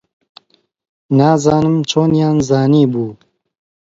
نازانم چۆنیان زانیبوو.